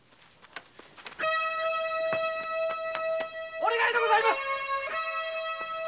お願いでございます！